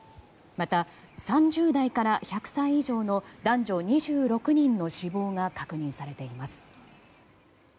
また、３０代から１００歳以上の男女２６人の死亡が確認されています。